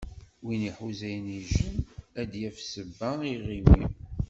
Win iḥuza inijel, ad yaf ssebba i iɣimi.